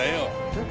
えっ？